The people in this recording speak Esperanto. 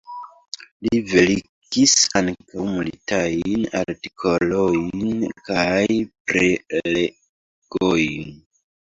Li verkis ankaŭ multajn artikolojn kaj prelegojn.